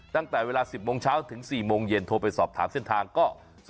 ตั้งแต่เวลา๑๐โมงเช้าถึง๔โมงเย็นโทรไปสอบถามเส้นทางก็